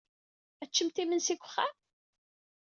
Ad teččemt imensi deg uxxam?